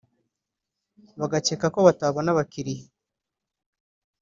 bagakeka ko batabona abakiliya